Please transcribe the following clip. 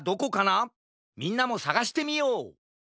みんなもさがしてみよう！